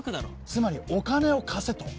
つまりお金を貸せと？